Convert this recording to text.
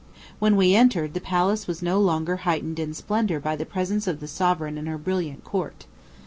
When we entered, the palace was no longer heightened in splendor by the presence of the sovereign and her brilliant court.